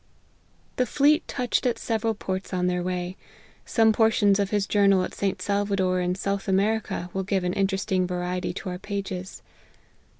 THE fleet touched at several ports on their way. Some portions of his Journal at St. Salvador, in South America, will give an interesting variety to our pages.